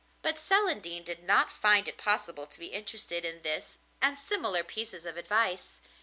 But Celandine did not find it possible to be interested in this and similar pieces of advice.